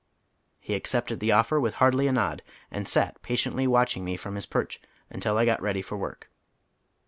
He accepted the offer with hardly a nod, and sat patiently watching me from his perch until I got ready for work.